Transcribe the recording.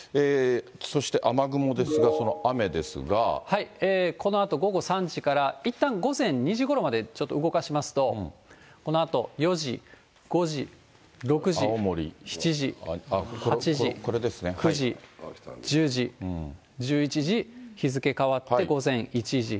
そして雨雲ですが、このあと午後３時から、いったん午前２時ごろまでちょっと動かしますと、このあと４時、５時、６時、７時、８時、９時、１０時、１１時、日付変わって午前１時。